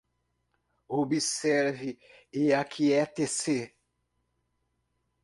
Observe e aquiete-se